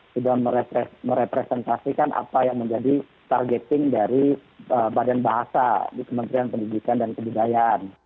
sudah merepresentasikan apa yang menjadi targeting dari badan bahasa di kementerian pendidikan dan kebudayaan